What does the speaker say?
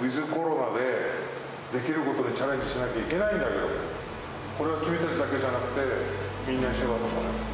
ウィズコロナでできることにチャレンジしないといけないんだけど、これは君たちだけじゃなくて、みんな一緒だと思うよ。